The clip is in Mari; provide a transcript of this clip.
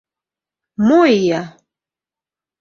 — Мо ия!